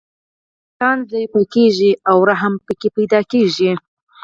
انسان ضعیف کیږي او ترحم پکې پیدا کیږي